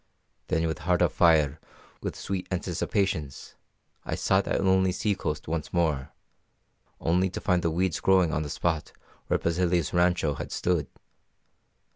Then, with heart afire with sweet anticipations, I sought that lonely sea coast once more, only to find the weeds growing on the spot where Basilio's rancho had stood.